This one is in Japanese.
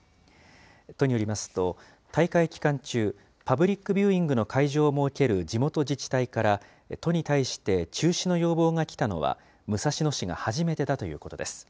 都によりますと、大会期間中、パブリックビューイングの会場を設ける地元自治体から都に対して、中止の要望が来たのは武蔵野市が初めてだということです。